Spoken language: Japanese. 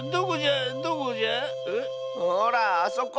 ほらあそこ。